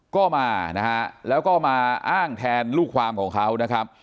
ก็มานะฮะแล้วก็มาอ้างแทนลูกความของเขานะครับ